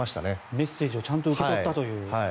メッセージをちゃんと受け取ったという。